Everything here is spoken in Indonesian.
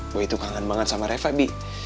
boy tuh kangen banget sama reva bi